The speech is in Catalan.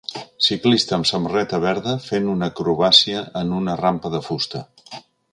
Ciclista amb samarreta verda fent una acrobàcia en una rampa de fusta